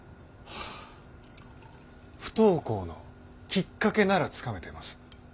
不登校のきっかけならつかめてます。